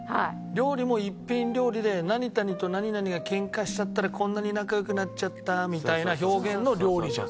料理も一品料理で「何々と何々がけんかしちゃったらこんなに仲良くなっちゃった」みたいな表現の料理じゃん。